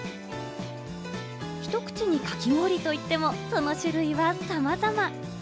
ひと口に、かき氷といってもその種類はさまざま。